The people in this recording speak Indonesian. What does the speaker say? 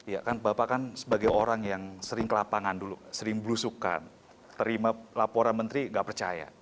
ya kan bapak kan sebagai orang yang sering ke lapangan dulu sering blusukan terima laporan menteri gak percaya